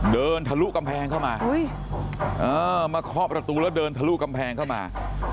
ทะลุกำแพงเข้ามามาเคาะประตูแล้วเดินทะลุกำแพงเข้ามา